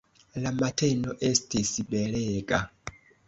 La mateno estis belega.